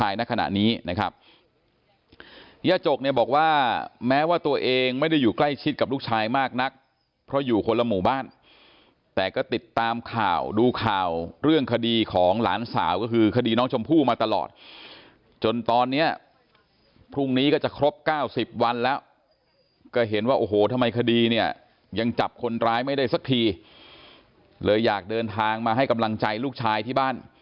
ย่าจกเนี่ยบอกว่าแม้ว่าตัวเองไม่ได้อยู่ใกล้ชิดกับลูกชายมากนักเพราะอยู่คนละหมู่บ้านแต่ก็ติดตามข่าวดูข่าวเรื่องคดีของหลานสาวก็คือคดีน้องชมพู่มาตลอดจนตอนนี้พรุ่งนี้ก็จะครบ๙๐วันแล้วก็เห็นว่าโอ้โหทำไมคดีเนี่ยยังจับคนร้ายไม่ได้สักทีเลยอยากเดินทางมาให้กำลังใจลูกชายที่บ้าน